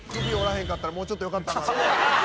へんかったらもうちょっとよかったなって。